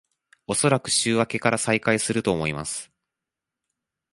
おそらく週明けから再開すると思います